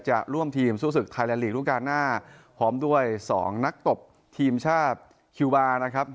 จะร่วมทีมสู้ศึกไทยแลนลีกรูปการณ์หน้าพร้อมด้วย๒นักตบทีมชาติคิวบาร์นะครับ